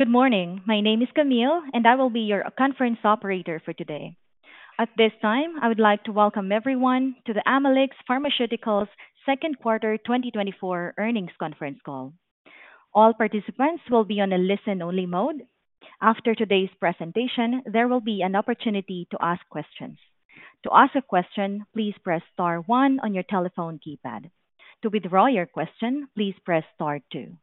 Good morning. My name is Camille, and I will be your conference operator for today. At this time, I would like to welcome everyone to the Amylyx Pharmaceuticals second quarter 2024 earnings conference call. All participants will be on a listen-only mode. After today's presentation, there will be an opportunity to ask questions. To ask a question, please press star one on your telephone keypad. To withdraw your question, please press star two.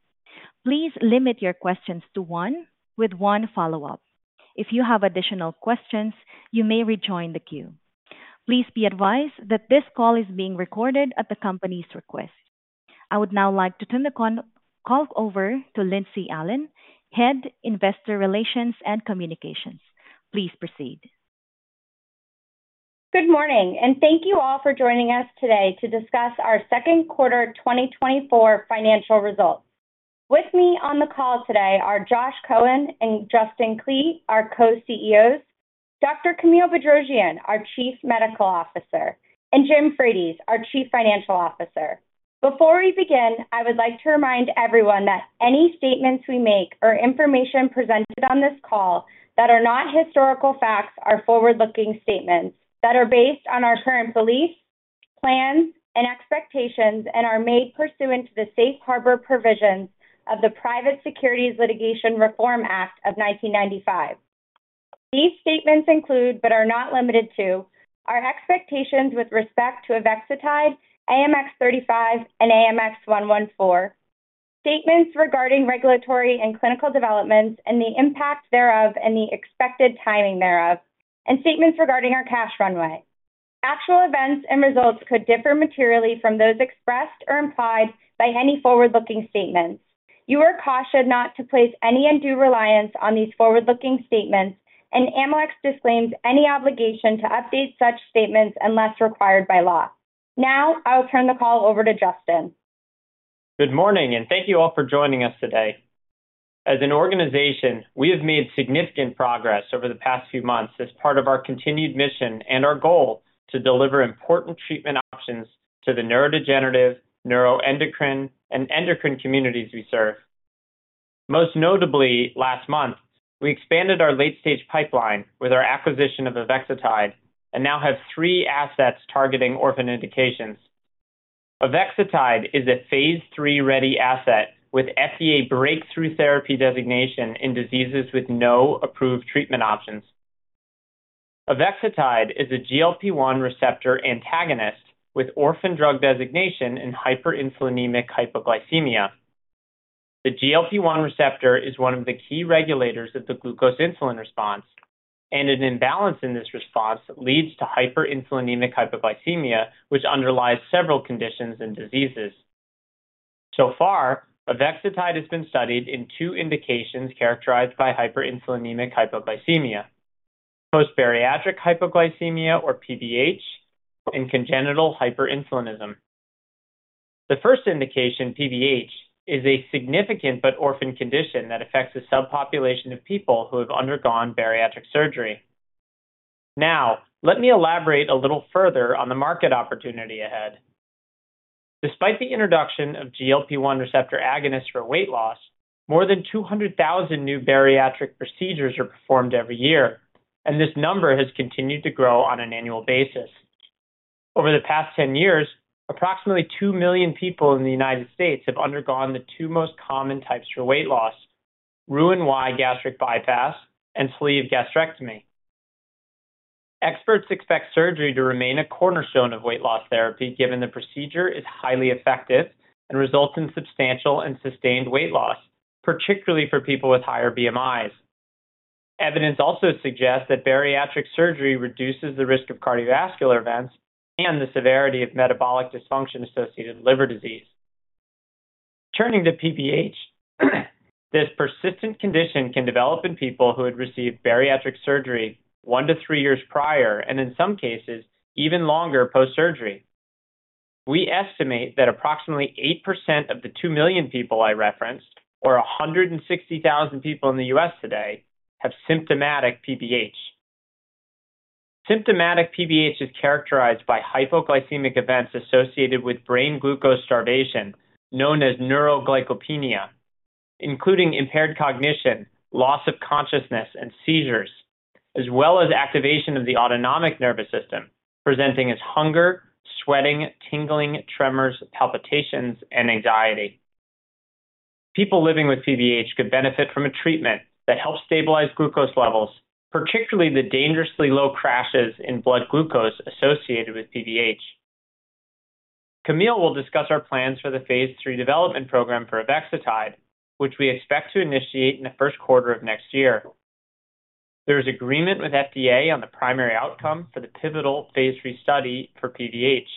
Please limit your questions to one with one follow-up. If you have additional questions, you may rejoin the queue. Please be advised that this call is being recorded at the company's request. I would now like to turn the call over to Lindsey Allen, Head, Investor Relations and Communications. Please proceed. Good morning, and thank you all for joining us today to discuss our second quarter 2024 financial results. With me on the call today are Josh Cohen and Justin Klee, our co-CEOs; Dr. Camille Bedrosian, our Chief Medical Officer; and Jim Frates, our Chief Financial Officer. Before we begin, I would like to remind everyone that any statements we make or information presented on this call that are not historical facts are forward-looking statements that are based on our current beliefs, plans, and expectations and are made pursuant to the safe harbor provisions of the Private Securities Litigation Reform Act of 1995. These statements include, but are not limited to, our expectations with respect to Avexitide, AMX0035, and AMX0114, statements regarding regulatory and clinical developments and the impact thereof, and the expected timing thereof, and statements regarding our cash runway. Actual events and results could differ materially from those expressed or implied by any forward-looking statements. You are cautioned not to place any undue reliance on these forward-looking statements, and Amylyx disclaims any obligation to update such statements unless required by law. Now, I will turn the call over to Justin. Good morning, and thank you all for joining us today. As an organization, we have made significant progress over the past few months as part of our continued mission and our goal to deliver important treatment options to the neurodegenerative, neuroendocrine, and endocrine communities we serve. Most notably, last month, we expanded our late-stage pipeline with our acquisition of Avexitide and now have three assets targeting orphan indications. Avexitide is a phase III-ready asset with FDA breakthrough therapy designation in diseases with no approved treatment options. Avexitide is a GLP-1 receptor antagonist with orphan drug designation in hyperinsulinemic hypoglycemia. The GLP-1 receptor is one of the key regulators of the glucose-insulin response, and an imbalance in this response leads to hyperinsulinemic hypoglycemia, which underlies several conditions and diseases. So far, Avexitide has been studied in two indications characterized by hyperinsulinemic hypoglycemia: post-bariatric hypoglycemia, or PBH, and congenital hyperinsulinism. The first indication, PBH, is a significant but orphan condition that affects a subpopulation of people who have undergone bariatric surgery. Now, let me elaborate a little further on the market opportunity ahead. Despite the introduction of GLP-1 receptor agonists for weight loss, more than 200,000 new bariatric procedures are performed every year, and this number has continued to grow on an annual basis. Over the past 10 years, approximately 2 million people in the United States have undergone the two most common types for weight loss: Roux-en-Y gastric bypass and sleeve gastrectomy. Experts expect surgery to remain a cornerstone of weight loss therapy, given the procedure is highly effective and results in substantial and sustained weight loss, particularly for people with higher BMIs. Evidence also suggests that bariatric surgery reduces the risk of cardiovascular events and the severity of metabolic dysfunction associated with liver disease. Turning to PBH, this persistent condition can develop in people who had received bariatric surgery 1-3 years prior, and in some cases, even longer post-surgery. We estimate that approximately 8% of the 2 million people I referenced, or 160,000 people in the U.S. today, have symptomatic PBH. Symptomatic PBH is characterized by hypoglycemic events associated with brain glucose starvation, known as neuroglycopenia, including impaired cognition, loss of consciousness, and seizures, as well as activation of the autonomic nervous system, presenting as hunger, sweating, tingling, tremors, palpitations, and anxiety. People living with PBH could benefit from a treatment that helps stabilize glucose levels, particularly the dangerously low crashes in blood glucose associated with PBH. Camille will discuss our plans for the phase III development program for Avexitide, which we expect to initiate in the first quarter of next year. There is agreement with FDA on the primary outcome for the pivotal phase III study for PBH.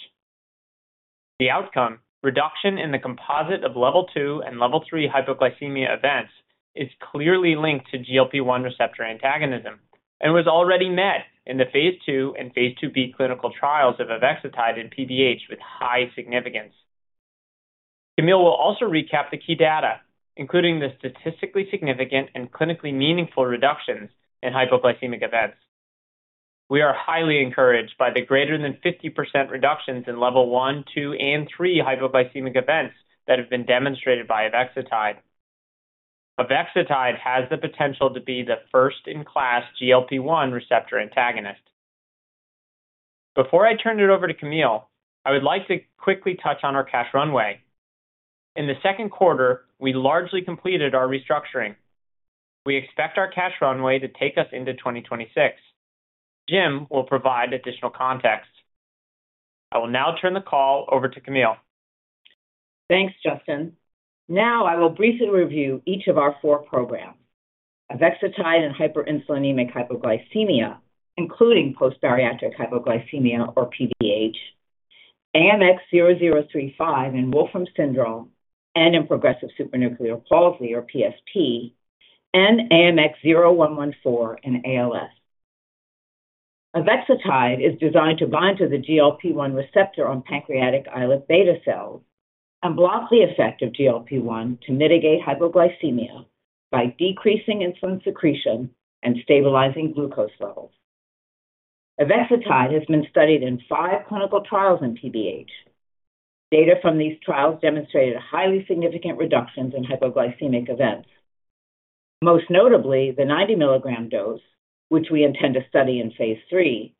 The outcome, reduction in the composite of level 2 and level 3 hypoglycemia events, is clearly linked to GLP-1 receptor antagonism and was already met in the phase II and phase IIB clinical trials of Avexitide in PBH with high significance. Camille will also recap the key data, including the statistically significant and clinically meaningful reductions in hypoglycemic events.... We are highly encouraged by the greater than 50% reductions in level 1, 2, and 3 hypoglycemic events that have been demonstrated by Avexitide. Avexitide has the potential to be the first-in-class GLP-1 receptor antagonist. Before I turn it over to Camille, I would like to quickly touch on our cash runway. In the second quarter, we largely completed our restructuring. We expect our cash runway to take us into 2026. Jim will provide additional context. I will now turn the call over to Camille. Thanks, Justin. Now, I will briefly review each of our four programs. Avexitide and hyperinsulinemic hypoglycemia, including post-bariatric hypoglycemia or PBH, AMX0035 in Wolfram syndrome and in progressive supranuclear palsy, or PSP, and AMX0114 in ALS. Avexitide is designed to bind to the GLP-1 receptor on pancreatic islet beta cells and block the effect of GLP-1 to mitigate hypoglycemia by decreasing insulin secretion and stabilizing glucose levels. Avexitide has been studied in five clinical trials in PBH. Data from these trials demonstrated highly significant reductions in hypoglycemic events. Most notably, the 90-milligram dose, which we intend to study in phase III,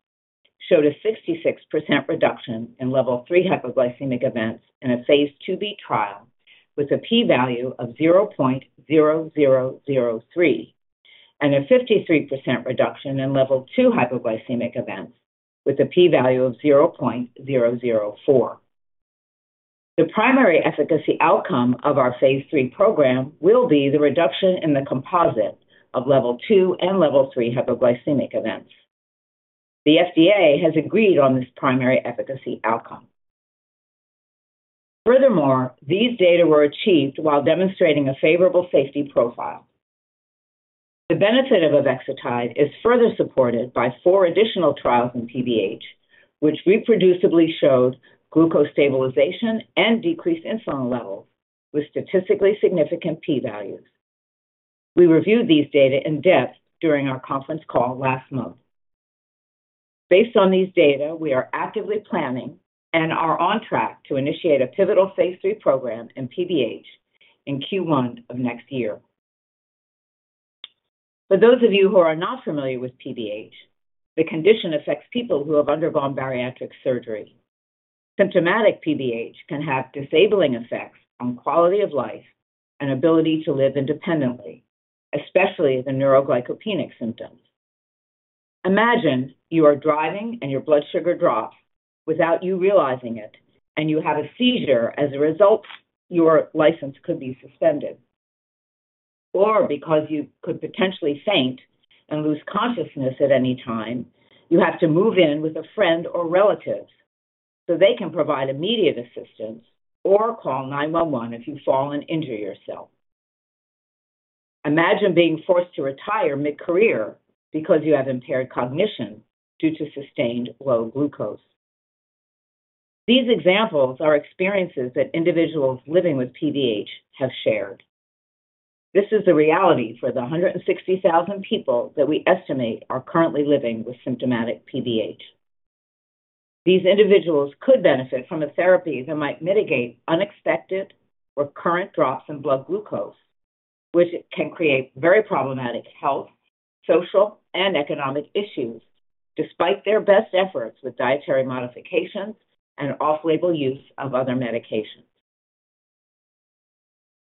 showed a 66% reduction in level 3 hypoglycemic events in a phase IIB trial, with a P value of 0.0003, and a 53% reduction in level 2 hypoglycemic events, with a P value of 0.004. The primary efficacy outcome of our phase III program will be the reduction in the composite of level 2 and level 3 hypoglycemic events. The FDA has agreed on this primary efficacy outcome. Furthermore, these data were achieved while demonstrating a favorable safety profile. The benefit of Avexitide is further supported by 4 additional trials in PBH, which reproducibly showed glucose stabilization and decreased insulin levels with statistically significant P values. We reviewed these data in depth during our conference call last month. Based on these data, we are actively planning and are on track to initiate a pivotal phase III program in PBH in Q1 of next year. For those of you who are not familiar with PBH, the condition affects people who have undergone bariatric surgery. Symptomatic PBH can have disabling effects on quality of life and ability to live independently, especially the neuroglycopenic symptoms. Imagine you are driving and your blood sugar drops without you realizing it, and you have a seizure. As a result, your license could be suspended, or because you could potentially faint and lose consciousness at any time, you have to move in with a friend or relative so they can provide immediate assistance or call 911 if you fall and injure yourself. Imagine being forced to retire mid-career because you have impaired cognition due to sustained low glucose. These examples are experiences that individuals living with PBH have shared. This is a reality for the 160,000 people that we estimate are currently living with symptomatic PBH. These individuals could benefit from a therapy that might mitigate unexpected or current drops in blood glucose, which can create very problematic health, social, and economic issues, despite their best efforts with dietary modifications and off-label use of other medications.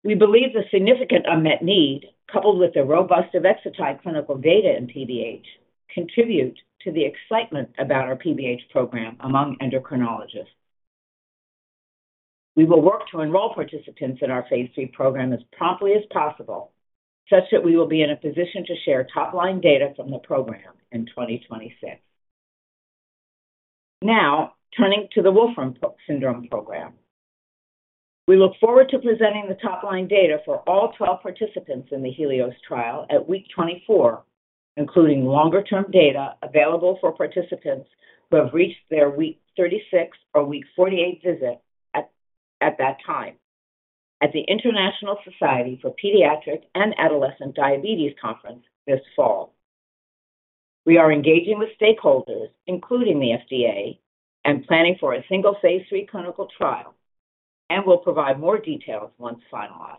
We believe the significant unmet need, coupled with the robust Avexitide clinical data in PBH, contribute to the excitement about our PBH program among endocrinologists. We will work to enroll participants in our phase III program as promptly as possible, such that we will be in a position to share top-line data from the program in 2026. Now, turning to the Wolfram syndrome program. We look forward to presenting the top-line data for all 12 participants in the HELIOS trial at week 24, including longer-term data available for participants who have reached their week 36 or week 48 visit at that time at the International Society for Pediatric and Adolescent Diabetes Conference this fall. We are engaging with stakeholders, including the FDA, and planning for a single phase III clinical trial, and we'll provide more details once finalized.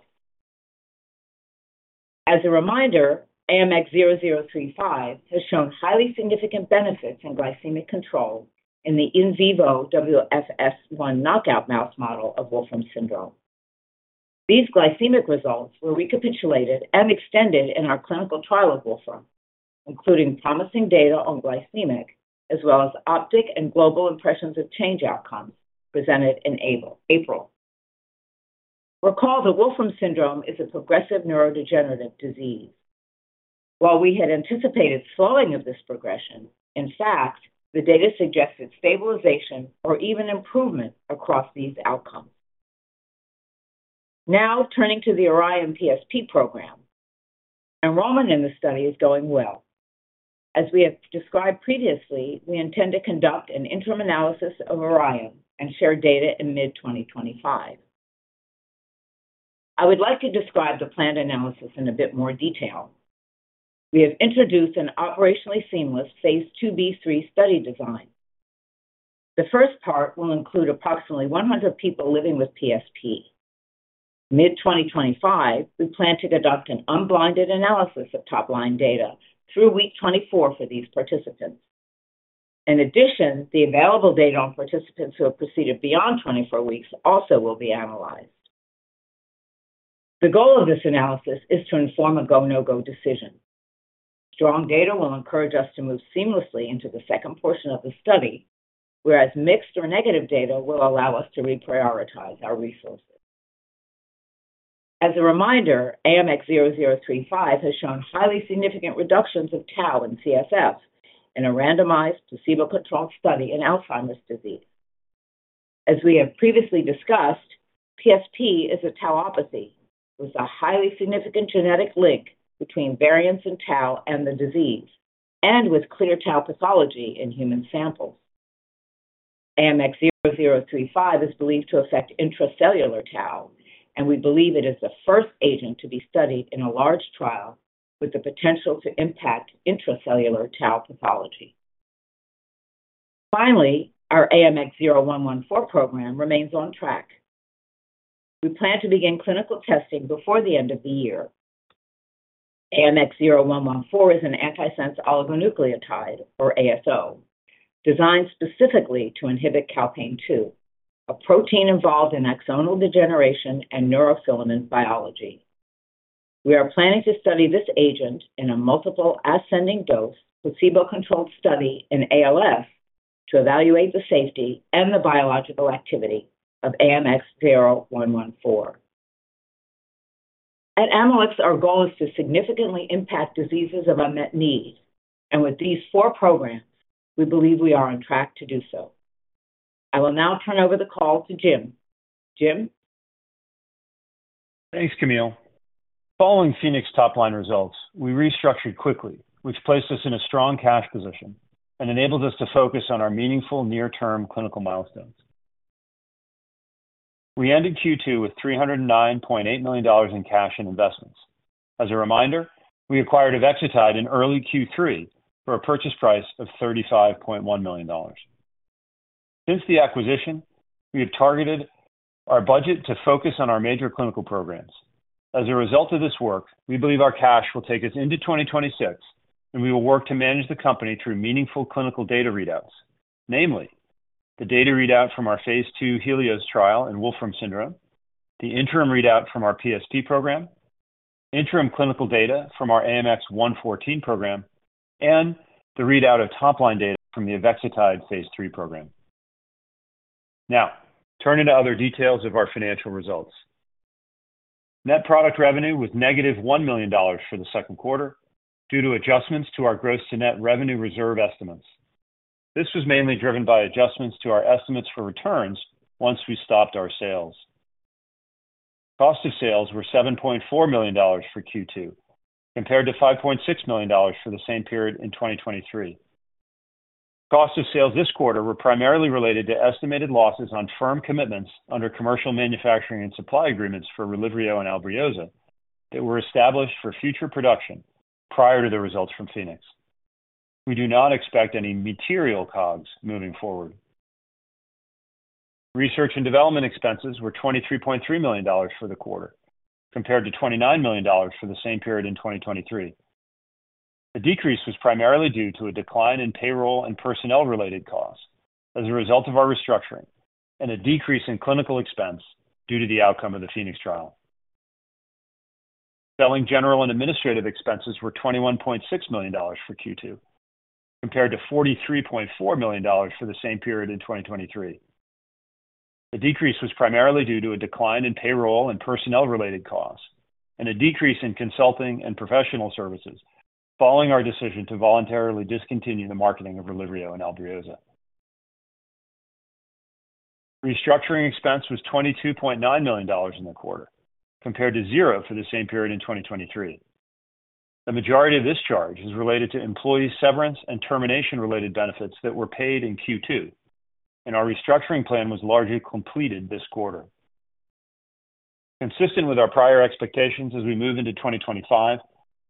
As a reminder, AMX0035 has shown highly significant benefits in glycemic control in the in vivo WFS1 knockout mouse model of Wolfram syndrome. These glycemic results were recapitulated and extended in our clinical trial of Wolfram, including promising data on glycemic, as well as optic and global impressions of change outcomes presented in April. Recall that Wolfram syndrome is a progressive neurodegenerative disease. While we had anticipated slowing of this progression, in fact, the data suggested stabilization or even improvement across these outcomes. Now, turning to the ORION PSP program. Enrollment in the study is going well. As we have described previously, we intend to conduct an interim analysis of ORION and share data in mid-2025. I would like to describe the planned analysis in a bit more detail. We have introduced an operationally seamless phase IIb/III study design. The first part will include approximately 100 people living with PSP. Mid-2025, we plan to conduct an unblinded analysis of top-line data through week 24 for these participants. In addition, the available data on participants who have proceeded beyond 24 weeks also will be analyzed. The goal of this analysis is to inform a go, no-go decision. Strong data will encourage us to move seamlessly into the second portion of the study, whereas mixed or negative data will allow us to reprioritize our resources. As a reminder, AMX0035 has shown highly significant reductions of tau and CSF in a randomized, placebo-controlled study in Alzheimer's disease. As we have previously discussed, PSP is a tauopathy with a highly significant genetic link between variants in tau and the disease, and with clear tau pathology in human samples. AMX0035 is believed to affect intracellular tau, and we believe it is the first agent to be studied in a large trial with the potential to impact intracellular tau pathology. Finally, our AMX0114 program remains on track. We plan to begin clinical testing before the end of the year. AMX0114 is an antisense oligonucleotide, or ASO, designed specifically to inhibit calpain 2, a protein involved in axonal degeneration and neurofilament biology. We are planning to study this agent in a multiple ascending-dose, placebo-controlled study in ALS to evaluate the safety and the biological activity of AMX0114. At Amylyx, our goal is to significantly impact diseases of unmet need, and with these four programs, we believe we are on track to do so. I will now turn over the call to Jim. Jim? Thanks, Camille. Following PHOENIX top-line results, we restructured quickly, which placed us in a strong cash position and enabled us to focus on our meaningful near-term clinical milestones. We ended Q2 with $309.8 million in cash and investments. As a reminder, we acquired Avexitide in early Q3 for a purchase price of $35.1 million. Since the acquisition, we have targeted our budget to focus on our major clinical programs. As a result of this work, we believe our cash will take us into 2026, and we will work to manage the company through meaningful clinical data readouts, namely, the data readout from our phase II HELIOS trial in Wolfram syndrome, the interim readout from our PSP program, interim clinical data from our AMX114 program, and the readout of top-line data from the Avexitide phase III program. Now, turning to other details of our financial results. Net product revenue was -$1 million for the second quarter due to adjustments to our gross to net revenue reserve estimates. This was mainly driven by adjustments to our estimates for returns once we stopped our sales. Cost of sales were $7.4 million for Q2, compared to $5.6 million for the same period in 2023. Cost of sales this quarter were primarily related to estimated losses on firm commitments under commercial manufacturing and supply agreements for RELIVRIO and ALBRIOZA that were established for future production prior to the results from PHOENIX. We do not expect any material COGS moving forward. Research and development expenses were $23.3 million for the quarter, compared to $29 million for the same period in 2023. The decrease was primarily due to a decline in payroll and personnel-related costs as a result of our restructuring and a decrease in clinical expense due to the outcome of the PHOENIX trial. Selling, general, and administrative expenses were $21.6 million for Q2, compared to $43.4 million for the same period in 2023. The decrease was primarily due to a decline in payroll and personnel-related costs and a decrease in consulting and professional services following our decision to voluntarily discontinue the marketing of RELIVRIO and ALBRIOZA. Restructuring expense was $22.9 million in the quarter, compared to 0 for the same period in 2023. The majority of this charge is related to employee severance and termination-related benefits that were paid in Q2, and our restructuring plan was largely completed this quarter. Consistent with our prior expectations as we move into 2025,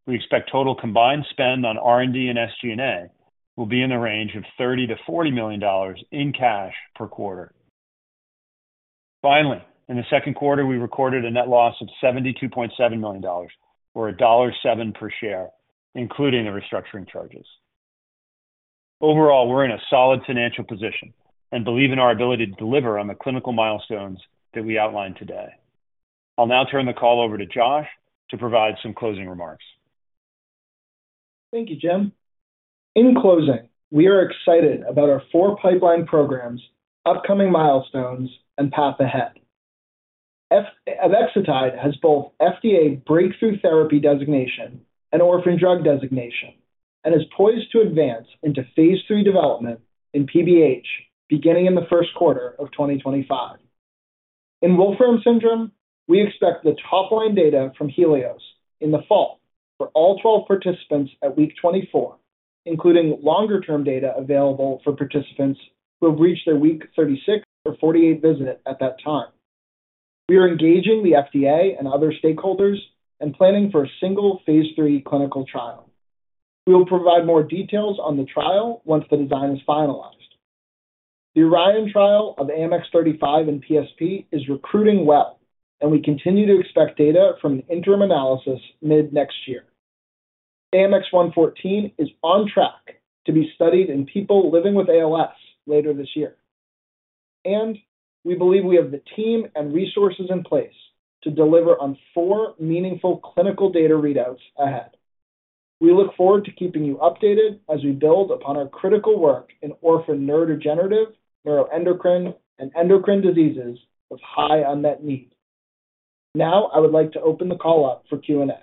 we expect total combined spend on R&D and SG&A will be in the range of $30 million-$40 million in cash per quarter. Finally, in the second quarter, we recorded a net loss of $72.7 million, or $1.07 per share, including the restructuring charges. Overall, we're in a solid financial position and believe in our ability to deliver on the clinical milestones that we outlined today. I'll now turn the call over to Josh to provide some closing remarks. Thank you, Jim. In closing, we are excited about our four pipeline programs, upcoming milestones, and path ahead. Avexitide has both FDA Breakthrough Therapy designation and Orphan Drug Designation, and is poised to advance into phase III development in PBH, beginning in the first quarter of 2025. In Wolfram syndrome, we expect the top-line data from HELIOS in the fall for all 12 participants at week 24.... including longer-term data available for participants who have reached their week 36 or 48 visit at that time. We are engaging the FDA and other stakeholders and planning for a single phase III clinical trial. We will provide more details on the trial once the design is finalized. The ORION trial of AMX0035 and PSP is recruiting well, and we continue to expect data from an interim analysis mid-next year. AMX114 is on track to be studied in people living with ALS later this year. And we believe we have the team and resources in place to deliver on 4 meaningful clinical data readouts ahead. We look forward to keeping you updated as we build upon our critical work in orphan neurodegenerative, neuroendocrine, and endocrine diseases of high unmet need. Now, I would like to open the call up for Q&A.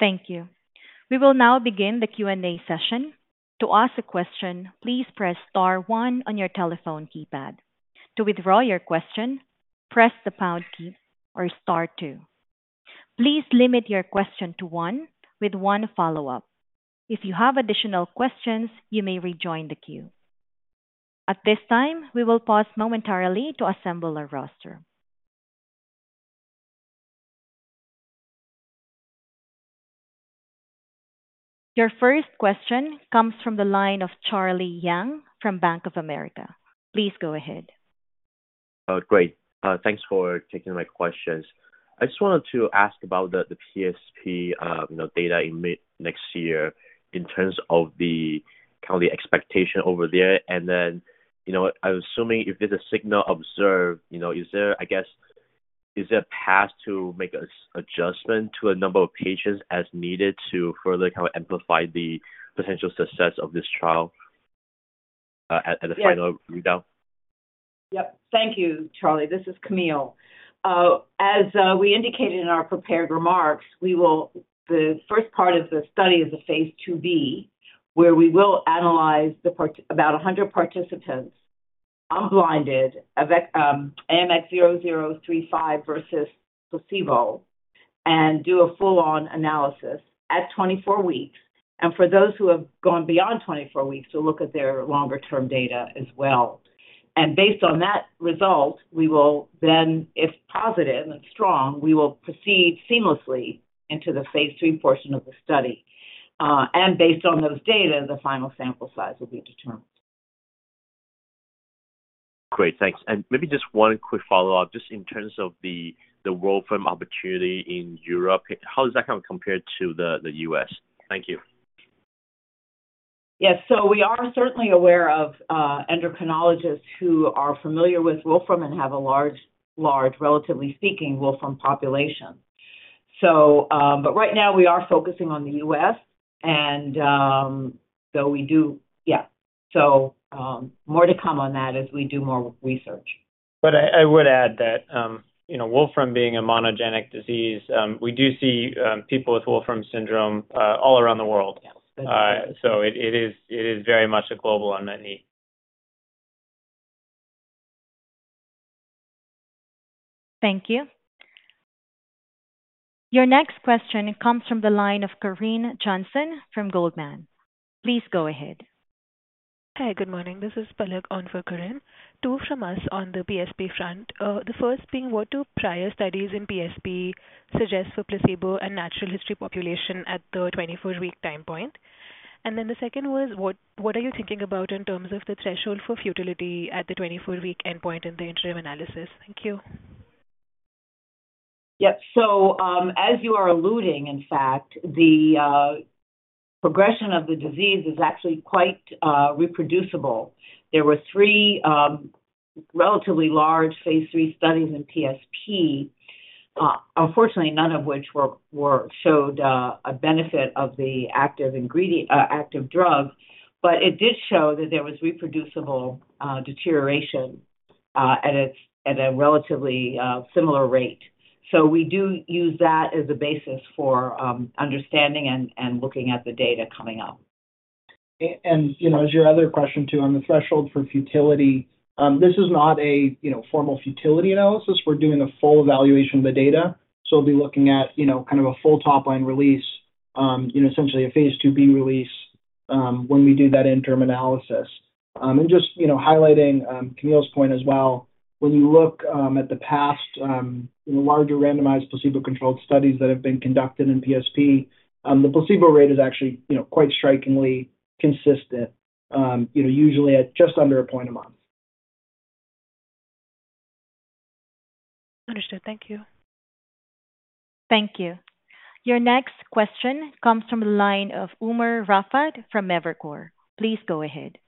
Thank you. We will now begin the Q&A session. To ask a question, please press star one on your telephone keypad. To withdraw your question, press the pound key or star two. Please limit your question to one with one follow-up. If you have additional questions, you may rejoin the queue. At this time, we will pause momentarily to assemble our roster. Your first question comes from the line of Charlie Yang from Bank of America. Please go ahead. Great. Thanks for taking my questions. I just wanted to ask about the, the PSP, you know, data in mid-next year in terms of the, kind of the expectation over there. And then, you know, I'm assuming if there's a signal observed, you know, is there, I guess, is there a path to make an adjustment to a number of patients as needed to further kind of amplify the potential success of this trial, at, at the final readout? Yep. Thank you, Charlie. This is Camille. As we indicated in our prepared remarks, we will. The first part of the study is a phase IIB, where we will analyze about 100 participants, unblinded, of AMX0035 versus placebo, and do a full-on analysis at 24 weeks. And for those who have gone beyond 24 weeks, to look at their longer-term data as well. And based on that result, we will then, if positive and strong, we will proceed seamlessly into the phase III portion of the study. And based on those data, the final sample size will be determined. Great, thanks. Maybe just one quick follow-up, just in terms of the Wolfram opportunity in Europe, how does that kind of compare to the U.S.? Thank you. Yes. So we are certainly aware of endocrinologists who are familiar with Wolfram and have a large, large, relatively speaking, Wolfram population. So, but right now we are focusing on the U.S. and, so we do... Yeah. So, more to come on that as we do more research. I would add that, you know, Wolfram being a monogenic disease, we do see people with Wolfram syndrome all around the world. Yes. So it is very much a global unmet need. Thank you. Your next question comes from the line of Corinne Jenkins from Goldman. Please go ahead. Hi, good morning. This is Palak on for Corinne. Two from us on the PSP front. The first being, what do prior studies in PSP suggest for placebo and natural history population at the 24-week time point? And then the second was, what are you thinking about in terms of the threshold for futility at the 24-week endpoint in the interim analysis? Thank you. Yep. So, as you are alluding, in fact, the progression of the disease is actually quite reproducible. There were 3 relatively large phase III studies in PSP, unfortunately, none of which showed a benefit of the active drug, but it did show that there was reproducible deterioration at a relatively similar rate. So we do use that as a basis for understanding and looking at the data coming out. And, you know, as your other question, too, on the threshold for futility, this is not a, you know, formal futility analysis. We're doing a full evaluation of the data, so we'll be looking at, you know, kind of a full top-line release, you know, essentially a phase IIB release, when we do that interim analysis. And just, you know, highlighting, Camille's point as well, when you look, at the past, you know, larger randomized placebo-controlled studies that have been conducted in PSP, the placebo rate is actually, you know, quite strikingly consistent, you know, usually at just under a point a month. Understood. Thank you. Thank you. Your next question comes from the line of Umer Raffat from Maverick Capital. Please go ahead.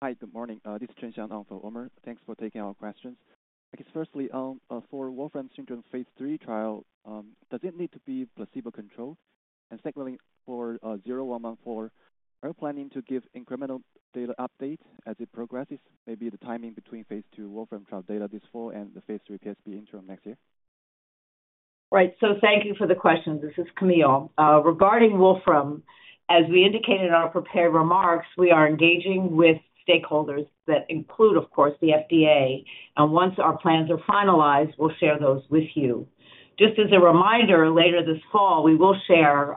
Hi, good morning. This is Chen Xiang on for Umar. Thanks for taking our questions. I guess, firstly, for Wolfram syndrome phase III trial, does it need to be placebo-controlled? And secondly, for AMX0114, are you planning to give incremental data update as it progresses, maybe the timing between phase II Wolfram trial data this fall and the phase III PSP interim next year? Right. So thank you for the questions. This is Camille. Regarding Wolfram, as we indicated in our prepared remarks, we are engaging with stakeholders that include, of course, the FDA, and once our plans are finalized, we'll share those with you. Just as a reminder, later this fall, we will share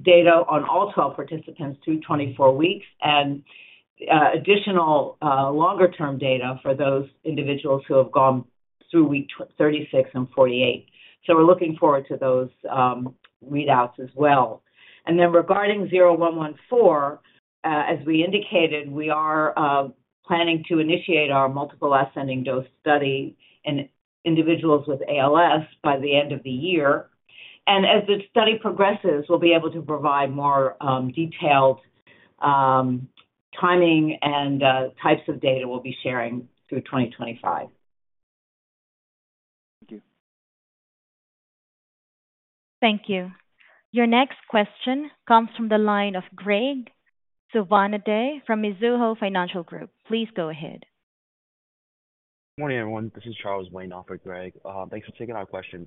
data on all 12 participants through 24 weeks, and additional longer-term data for those individuals who have gone through week 36 and 48. So we're looking forward to those readouts as well. And then regarding zero one one four, as we indicated, we are planning to initiate our multiple ascending dose study in individuals with ALS by the end of the year. And as the study progresses, we'll be able to provide more detailed timing and types of data we'll be sharing through 2025. Thank you. Thank you. Your next question comes from the line of Graig Suvannavejh from Mizuho Financial Group. Please go ahead. Good morning, everyone. This is Charles Yang in for Greg. Thanks for taking our question.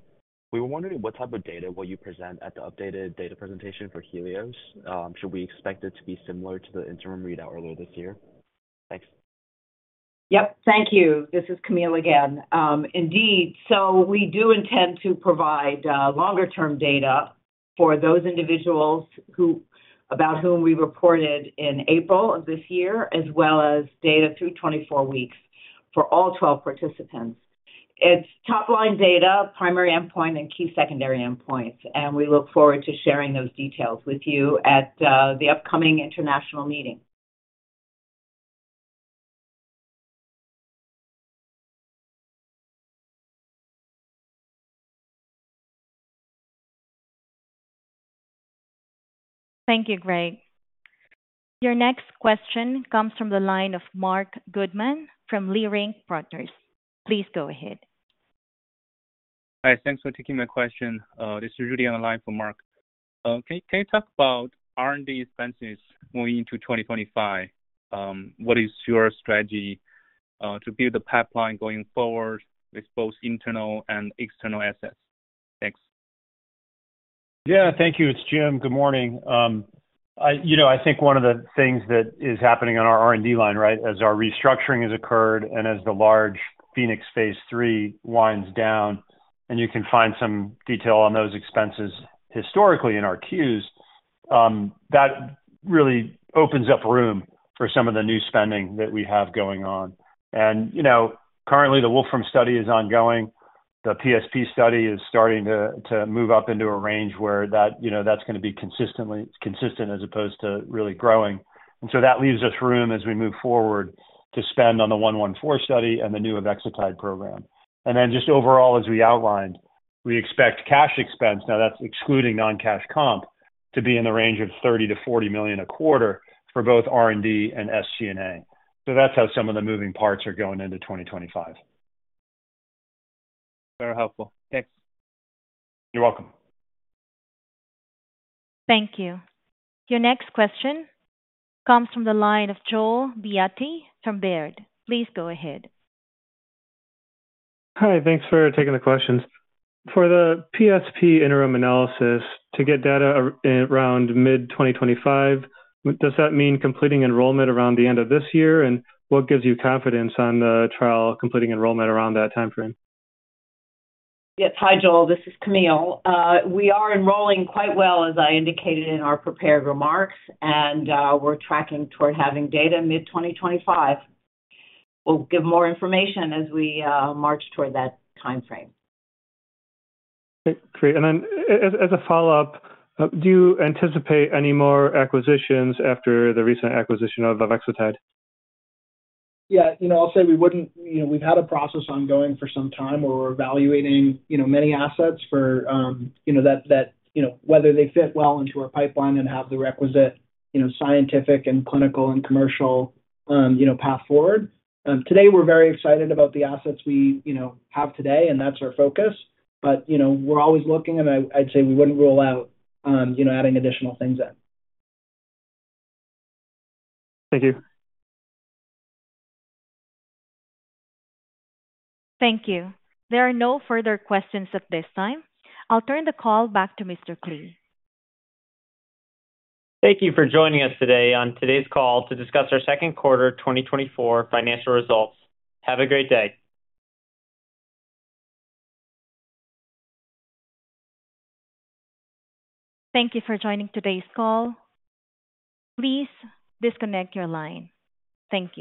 We were wondering, what type of data will you present at the updated data presentation for HELIOS? Should we expect it to be similar to the interim readout earlier this year? Thanks. Yep, thank you. This is Camille again. Indeed, so we do intend to provide longer-term data for those individuals about whom we reported in April of this year, as well as data through 24 weeks for all 12 participants. It's top line data, primary endpoint, and key secondary endpoints, and we look forward to sharing those details with you at the upcoming international meeting. Thank you, Greg. Your next question comes from the line of Marc Goodman from Leerink Partners. Please go ahead. Hi, thanks for taking my question. This is Rudy on the line for Mark. Can you talk about R&D expenses going into 2025? What is your strategy to build the pipeline going forward with both internal and external assets? Thanks. Yeah, thank you. It's Jim. Good morning. I think one of the things that is happening on our R&D line, right? As our restructuring has occurred, and as the large Phoenix phase III winds down, and you can find some detail on those expenses historically in our Qs. That really opens up room for some of the new spending that we have going on. And, you know, currently the Wolfram study is ongoing. The PSP study is starting to move up into a range where that, you know, that's gonna be consistent as opposed to really growing. And so that leaves us room as we move forward, to spend on the 114 study and the new Avexitide program. Then just overall, as we outlined, we expect cash expense, now that's excluding non-cash comp, to be in the range of $30 million-$40 million a quarter for both R&D and SG&A. So that's how some of the moving parts are going into 2025. Very helpful. Thanks. You're welcome. Thank you. Your next question comes from the line of Joel Beatty from Baird. Please go ahead. Hi, thanks for taking the questions. For the PSP interim analysis, to get data around mid-2025, does that mean completing enrollment around the end of this year? And what gives you confidence on the trial completing enrollment around that timeframe? Yes. Hi, Joel, this is Camille. We are enrolling quite well, as I indicated in our prepared remarks, and we're tracking toward having data mid-2025. We'll give more information as we march toward that timeframe. Great. And then, as a follow-up, do you anticipate any more acquisitions after the recent acquisition of Avexitide? Yeah. You know, I'll say we wouldn't. You know, we've had a process ongoing for some time, where we're evaluating, you know, many assets for, you know, that, you know, whether they fit well into our pipeline and have the requisite, you know, scientific and clinical and commercial, you know, path forward. Today, we're very excited about the assets we, you know, have today, and that's our focus. But, you know, we're always looking, and I, I'd say we wouldn't rule out, you know, adding additional things in. Thank you. Thank you. There are no further questions at this time. I'll turn the call back to Mr. Klee. Thank you for joining us today on today's call to discuss our second quarter 2024 financial results. Have a great day. Thank you for joining today's call. Please disconnect your line. Thank you.